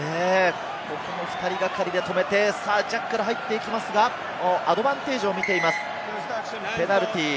２人がかりでここも止めて、ジャッカル入っていきますが、アドバンテージを見ています、ペナルティー。